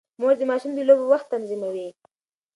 مور د ماشوم د لوبو وخت تنظيموي.